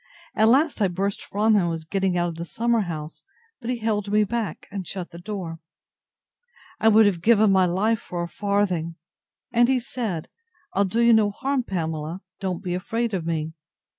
—At last I burst from him, and was getting out of the summer house; but he held me back, and shut the door. I would have given my life for a farthing. And he said, I'll do you no harm, Pamela; don't be afraid of me.